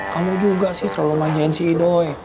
kamu juga sih terlalu manjain si edoy